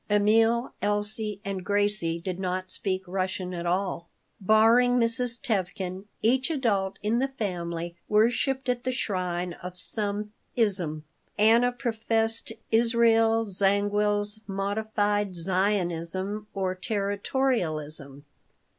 Emil, Elsie, and Gracie did not speak Russian at all Barring Mrs. Tevkin, each adult in the family worshiped at the shrine of some "ism." Anna professed Israel Zangwill's modified Zionism or Territorialism.